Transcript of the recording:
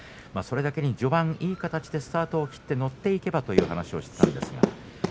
それだけに、序盤いい形でスタートを切って持っていけばという話をしていました。